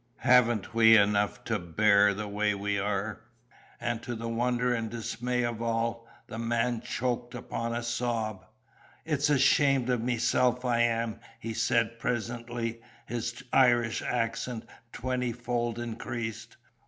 Haven't we enough to bear the way we are?" And to the wonder and dismay of all, the man choked upon a sob. "It's ashamed of meself I am," he said presently, his Irish accent twenty fold increased.